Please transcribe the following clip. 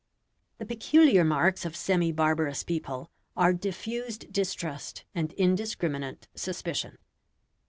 The peculiar marks of semi barbarous people are diffused distrust and indiscriminate suspicion.